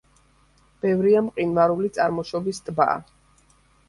ბევრია მყინვარული წარმოშობის ტბა.